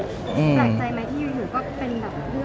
ที่อยู่ถือเป็นเหลือที่ออกมาทันไป